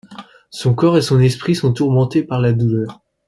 Son corps et son esprit sont tourmentés par la douleur.